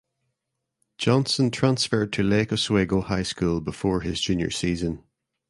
Johnson transferred to Lake Oswego High School before his junior season.